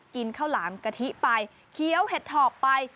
กินข้าวหลามกะทิไปเคี้ยวเห็ดถอบไป